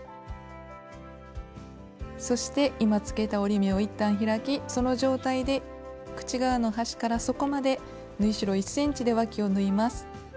そして今つけた折り目をいったん開きその状態で口側の端から底まで縫い代１ｃｍでわきを縫います。